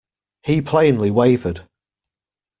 He plainly wavered.